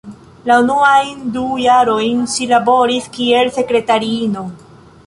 La unuajn du jarojn ŝi laboris kiel sekretariino.